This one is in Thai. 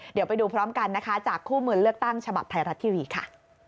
เดี๋ยวไปดูพร้อมกันนะคะจากคู่มือเลือกตั้งฉบับไทยรัฐทีวีค่ะ